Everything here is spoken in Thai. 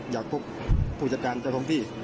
อยากพบผู้จัดการกับกองพี่